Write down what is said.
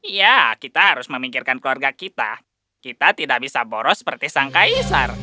iya kita harus memikirkan keluarga kita kita tidak bisa boros seperti sang kaisar